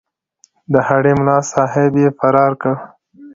د هډې ملاصاحب یې فرار کړ.